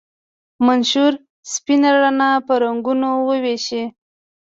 منشور سپینه رڼا په رنګونو ویشي.